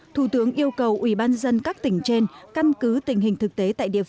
thủ tướng yêu cầu ủy ban dân các tỉnh trên căn cứ tình hình thực tế